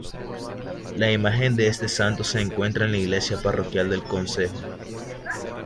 La imagen de este santo se encuentra en la iglesia parroquial del concejo.